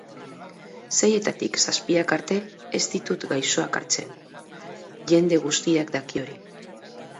Seietatik zazpiak arte ez ditut gaixoak hartzen, jende guztiak daki hori.